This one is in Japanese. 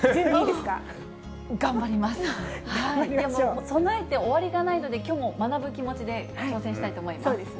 でも備えて終わりじゃないので、きょうもう学ぶ気持ちで挑戦したいと思います。